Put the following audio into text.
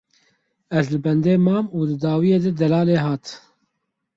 Ez li bendê mam û di dawiyê de Delalê hat.